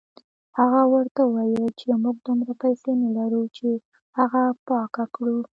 هغه ورته وویل چې موږ دومره پیسې نه لرو چې هغه پاکه کړو.